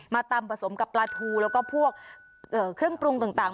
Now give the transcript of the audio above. ตำผสมกับปลาทูแล้วก็พวกเครื่องปรุงต่าง